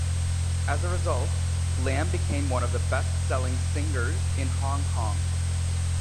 As a result, Lam became one of the best-selling singers in Hong Kong.